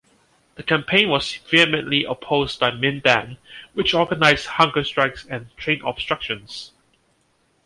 The campaign was vehemently opposed by Mindan which organised hunger strikes and train obstructions.